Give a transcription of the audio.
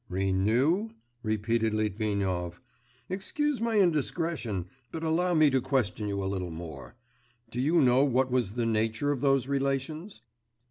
'Renew,' repeated Litvinov. 'Excuse my indiscretion, but allow me to question you a little more. Do you know what was the nature of those relations?